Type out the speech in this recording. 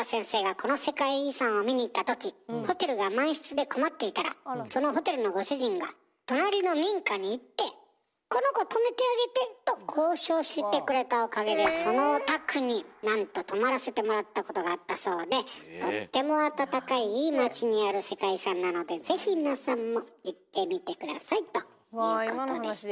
この世界遺産を見に行ったときホテルが満室で困っていたらそのホテルのご主人が隣の民家に行って「この子泊めてあげて」と交渉してくれたおかげでそのお宅になんと泊まらせてもらったことがあったそうでとっても温かいいい町にある世界遺産なのでぜひ皆さんも行ってみて下さいということでした。